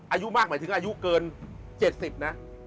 อายุมากหมายถึงอายุเกิน๗๐นะ